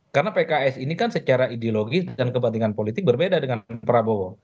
karena pks ini kan secara ideologis dan kepentingan politik berbeda dengan prabowo